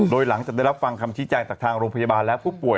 โดยหลังจากได้รับฟังคำชี้แจงจากทางโรงพยาบาลและผู้ป่วย